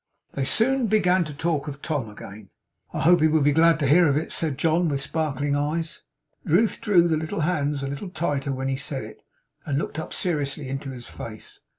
They soon began to talk of Tom again. 'I hope he will be glad to hear of it!' said John, with sparkling eyes. Ruth drew the little hands a little tighter when he said it, and looked up seriously into his face.